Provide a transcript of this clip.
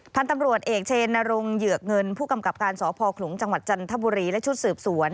พันธุ์ตำรวจเอกเชนนรงเหยือกเงินผู้กำกับการสพขลุงจังหวัดจันทบุรีและชุดสืบสวน